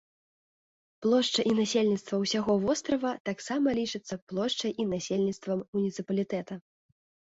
Плошча і насельніцтва ўсяго вострава таксама лічацца плошчай і насельніцтвам муніцыпалітэта.